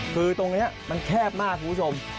คือตรงนี้มันแคบมากคุณผู้ชม